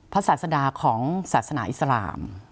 ศาสดาของศาสนาอิสลาม